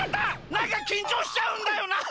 なんかきんちょうしちゃうんだよなあ。